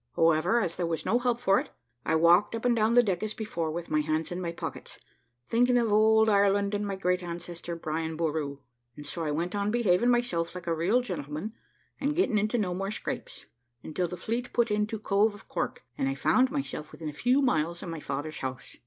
However, as there was no help for it, I walked up and down the deck as before, with my hands in my pockets, thinking of old Ireland, and my great ancestor, Brien Borru. And so I went on behaving myself like a real gentleman, and getting into no more scrapes, until the fleet put into the Cove of Cork, and I found myself within a few miles of my father's house.